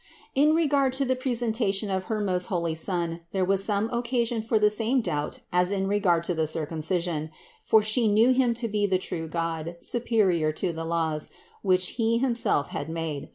In regard to the presentation of her most holy Son there was some occasion for the same doubt as in regard to the Circumcision, for She knew Him to be the true God, superior to the laws, which He himself had made.